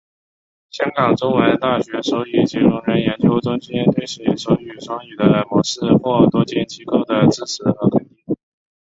香港中文大学手语及聋人研究中心推行手语双语的模式获多间机构的支持和肯定。